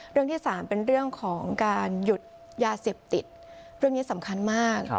เรื่องที่สามเป็นเรื่องของการหยุดยาเสพติดเรื่องนี้สำคัญมาก